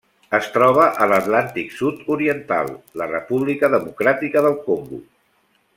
Es troba a l'Atlàntic sud-oriental: la República Democràtica del Congo.